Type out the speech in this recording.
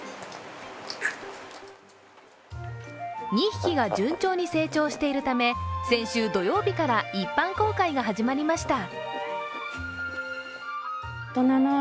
２匹が順調に成長しているため、先週土曜日から一般公開が始まりました。